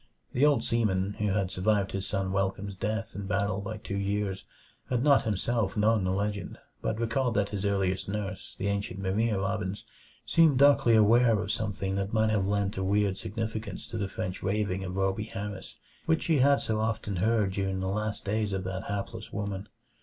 The old seaman, who had survived his son Welcome's death in battle by two years, had not himself known the legend, but recalled that his earliest nurse, the ancient Maria Robbins, seemed darkly aware of something that might have lent a weird significance to the French raving of Rhoby Harris, which she had so often heard during the last days of that hapless woman.